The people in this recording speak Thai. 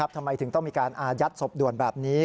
ทำไมถึงต้องมีการอายัดศพด่วนแบบนี้